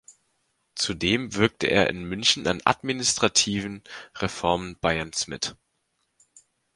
Zudem wirkte er in München an administrativen Reformen Bayerns mit.